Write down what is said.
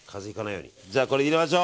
じゃあ、これ入れましょう。